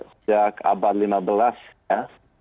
sejak abad lima belas ya